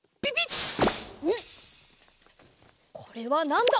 これはなんだ？